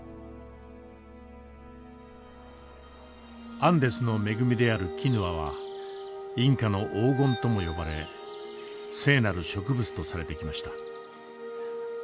アンデスの恵みであるキヌアはインカの黄金とも呼ばれ聖なる植物とされてきました。